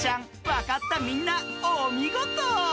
わかったみんなおみごと。